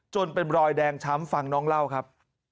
เป็นรอยแดงช้ำฟังน้องเล่าครับ